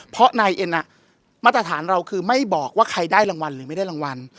เพราะนายเอ็นมาตรฐานเราคือไม่บอกว่าใครได้รางวัลหรือไม่ได้รางวัล